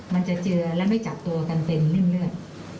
มันจะเจือและไม่จับตัวกันเป็นริ่มเลือด